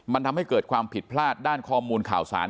มันทำให้เกิดความผิดพลาดด้านข้อมูลข่าวสาร